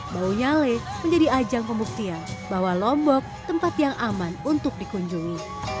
bau nyale menjadi ajang pembuktian bahwa lombok tempat yang aman untuk dikunjungi